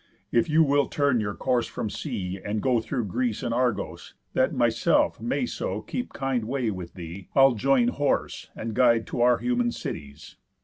If you will turn your course from sea, and go Through Greece and Argos (that myself may so Keep kind way with thee) I'll join horse, and guide T' our human cities.